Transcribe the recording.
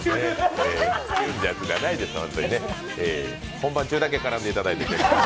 本番中だけ絡んでいただいて結構です。